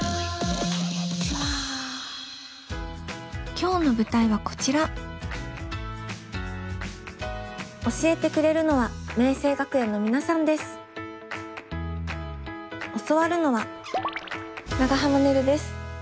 今日の舞台はこちら教えてくれるのは教わるのは長濱ねるです。